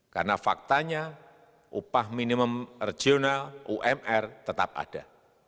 karena faktanya upah minimum regional umr tetap ada